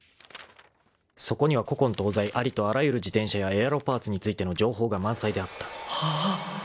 ［そこには古今東西ありとあらゆる自転車やエアロパーツについての情報が満載であった］ああ！